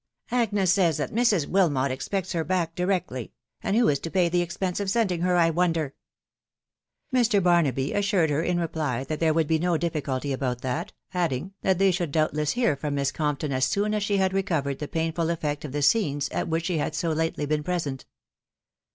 " Agnes says that Mrs. Wilmot expects her back directly, and who is to pay the ex pense of sending her, I wonder ?" Mr. Barnaby assured her in reply that there would be no difficulty about that, adding, that they should doubtless hear from Miss Compton as soon as she had recovered the painful effect of the scenes at which she had so lately been present.